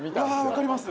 分かります。